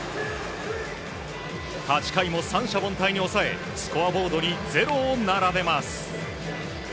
８回も三者凡退に抑えスコアボードに０を並べます。